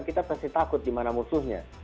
kita pasti takut di mana musuhnya